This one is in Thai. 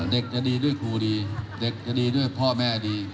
เด็กจะดีด้วยครูดีเด็กจะดีด้วยพ่อแม่ดี